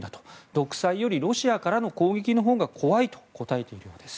独裁よりロシアからの攻撃のほうが怖いと答えているんです。